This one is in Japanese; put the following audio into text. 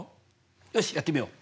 よしやってみよう。